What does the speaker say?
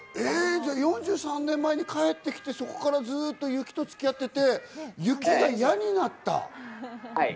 ４３年前に帰ってきて、そこからずっと雪とつき合ってて、雪が嫌になった。